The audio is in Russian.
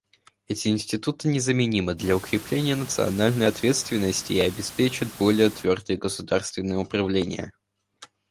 Эти институты незаменимы для укрепления национальной ответственности и обеспечат более твердое государственное управление.